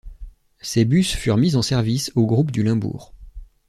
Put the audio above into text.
Ces bus furent mis en service au groupe du Limbourg.